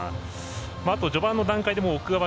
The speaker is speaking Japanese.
あと序盤の段階で奥川